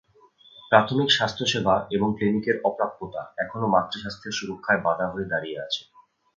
প্রাথমিক স্বাস্থ্যসেবা এবং ক্লিনিকের অপ্রাপ্যতা এখনো মাতৃস্বাস্থ্যের সুরক্ষায় বাধা হয়ে দাঁড়িয়ে আছে।